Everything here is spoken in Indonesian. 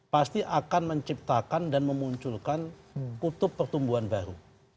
pasti akan menciptakan dan memunculkan kutub pertumbuhan baru